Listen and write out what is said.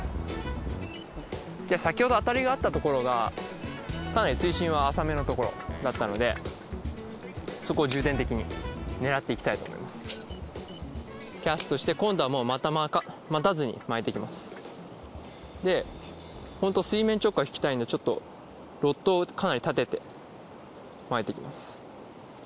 先ほどアタリがあったところがかなり水深は浅めのところだったのでそこを重点的に狙っていきたいと思いますキャストして今度はもう待たずに巻いていきますでほんと水面直下引きたいんでちょっとロッドをかなり立てて巻いていきます